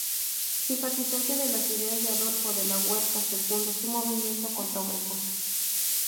Simpatizante de las ideas de Adolfo de la Huerta secundó su movimiento contra Obregón.